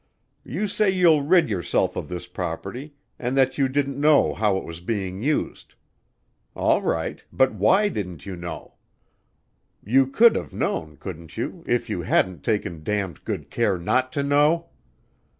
You say you'll rid yourself of this property and that you didn't know how it was being used. All right, but why didn't you know? You could of known, couldn't you, if you hadn't taken damned good care not to know?